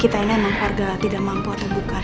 kita ini emang harga tidak mampu atau bukan